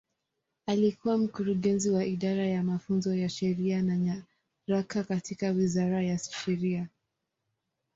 Alikuwa Mkurugenzi wa Idara ya Mafunzo ya Sheria na Nyaraka katika Wizara ya Sheria.